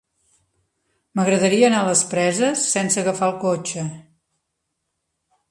M'agradaria anar a les Preses sense agafar el cotxe.